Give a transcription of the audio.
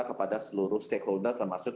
kepada seluruh stakeholder termasuk